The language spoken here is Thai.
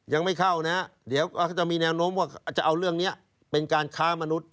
ยังไม่เข้านะเดี๋ยวก็จะมีแนวโน้มว่าจะเอาเรื่องนี้เป็นการค้ามนุษย